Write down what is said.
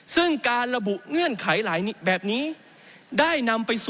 ซึ่งการระบุเงื่อนไขแบบนี้